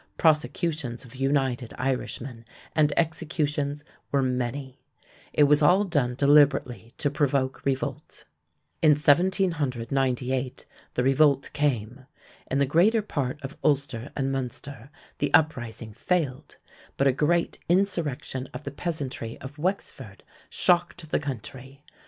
Prosecutions of United Irishmen and executions were many. It was all done deliberately to provoke revolt. In 1798 the revolt came. In the greater part of Ulster and Munster the uprising failed, but a great insurrection of the peasantry of Wexford shocked the country.